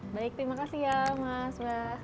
baik terima kasih ya mas wes